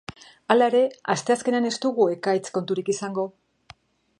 Hala ere, asteazkenean ez dugu ekaitz konturik izango.